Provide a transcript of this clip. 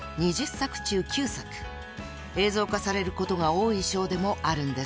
［映像化されることが多い賞でもあるんです］